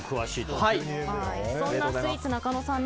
そんなスイーツなかのさん